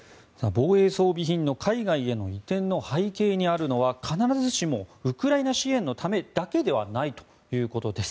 防衛装備品の海外への移転の背景にあるのは必ずしもウクライナ支援のためだけではないということです。